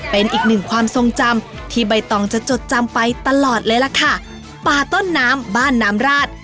เป็นอีกหนึ่งความทรงจำที่ใบตองจะจดจำไปตลอดเลยล่ะค่ะป่าต้นน้ำบ้านน้ำราด